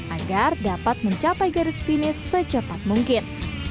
agar dapat mencapai garis finish secepat mungkin